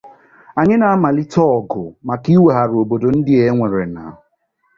anyị na-amalite ọgụ maka iweghara obodo ndị a e nwere n’